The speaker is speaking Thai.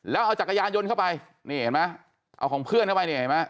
แล้วเอาจักรยานยนต์เข้าไปนี่เห็นไหมเอาของเพื่อนเข้าไปเนี่ยเห็นไหม